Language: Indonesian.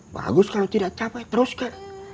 bagus kalau tidak capai teruskan